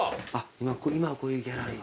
今はこういうギャラリー。